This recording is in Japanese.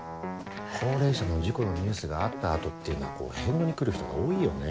高齢者の事故のニュースがあった後っていうのは返納に来る人が多いよねぇ。